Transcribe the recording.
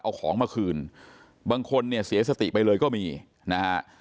เอาของมาคืนบางคนเนี่ยเสียสติไปเลยก็มีนะฮะ